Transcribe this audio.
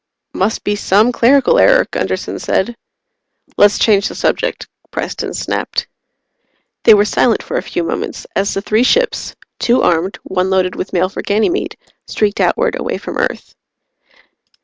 "Must be some clerical error," Gunderson said. "Let's change the subject," Preston snapped. They were silent for a few moments, as the three ships two armed, one loaded with mail for Ganymede streaked outward away from Earth.